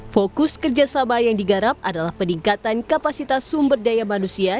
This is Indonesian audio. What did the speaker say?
fokus kerjasama yang digarap adalah peningkatan kapasitas sumber daya manusia